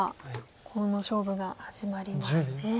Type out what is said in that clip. コウの勝負が始まりますね。